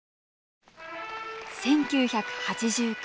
１９８９年。